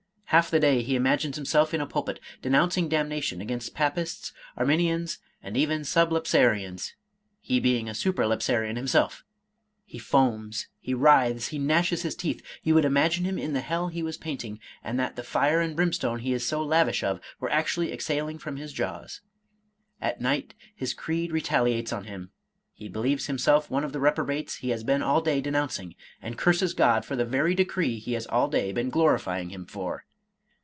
Half the day he imagines himself in a pulpit, denouncing damnation against Papists, Arminians, and even Sublapsarians (he being a Supra lapsarian him self). He foams, he writhes, he gnashes his teeth; you would imagine him in the hell he was painting, and that 198 Charles Robert Maturin the fire and brimstone he is so lavish of were actually ex haling from his jaws. At night his creed retaliates on him; he believes himself one of the reprobates he has been all day denouncing, and curses God for the very decree he has all day been glorifying Him for.